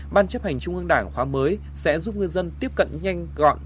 ban chấp hành trung ương đảng khóa mới sẽ giúp ngư dân tiếp cận nhanh gọn